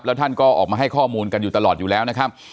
แล้วท่านก็ออกมาให้ข้อมูลกันอยู่ตลอดอยู่แล้วนะครับ